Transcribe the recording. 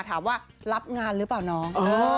ถามว่ารับงานหรือเปล่าน้อง